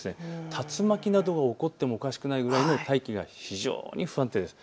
竜巻などが起こってもおかしくないぐらい大気が非常に不安定です。